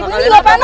ibu ini nggak panas